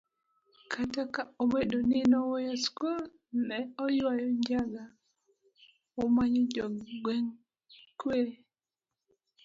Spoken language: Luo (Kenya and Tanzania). kata ka obedo ni noweyo skul, ne oywayo njaga, omayo jogweng' kwe